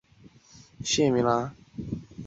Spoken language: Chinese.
朗里万人口变化图示